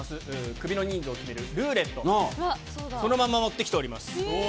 クビの人数を決めるルーレット、そのまま持ってきております。